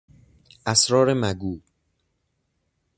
اسرار مگو